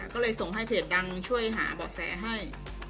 ก็เลยส่งให้เพจดังช่วยหาเบาะแสให้